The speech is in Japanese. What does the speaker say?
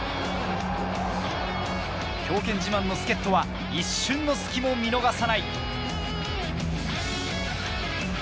強肩自慢の助っ人は一瞬の隙も見逃さない。